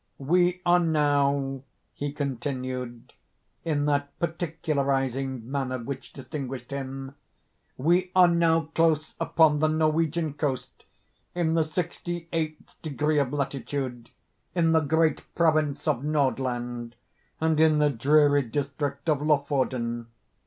"We are now," he continued, in that particularizing manner which distinguished him—"we are now close upon the Norwegian coast—in the sixty eighth degree of latitude—in the great province of Nordland—and in the dreary district of Lofoden.